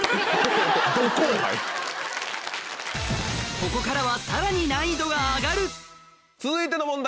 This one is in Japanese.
ここからはさらに難易度が上がる続いての問題